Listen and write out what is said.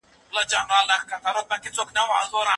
وګړي د خپلو حقونو د ترلاسه کولو لپاره څه کولي سي؟